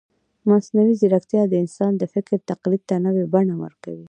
مصنوعي ځیرکتیا د انسان د فکر تقلید ته نوې بڼه ورکوي.